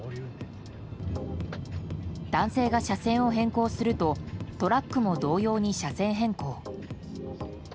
男性が車線を変更するとトラックも同様に車線変更。